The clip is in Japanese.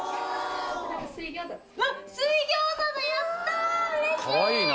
うわっ水餃子だやったうれしい！